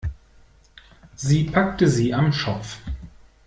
Sie packte sie am Schopf.